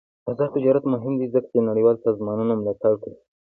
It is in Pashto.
آزاد تجارت مهم دی ځکه چې نړیوال سازمانونه ملاتړ کوي.